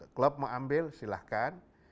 klub mau ambil silahkan